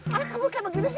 mana kabur kayak begitu sih